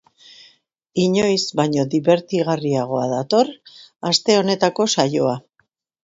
Inoiz baino dibertiagarriagoadator aste honetako saioa.